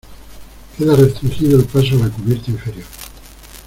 queda restringido el paso a la cubierta inferior.